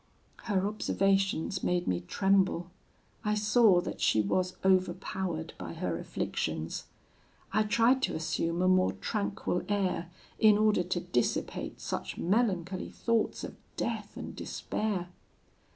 "Her observations made me tremble. I saw that she was overpowered by her afflictions. I tried to assume a more tranquil air, in order to dissipate such melancholy thoughts of death and despair.